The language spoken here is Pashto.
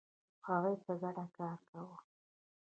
هغوی په ګډه کار کاوه.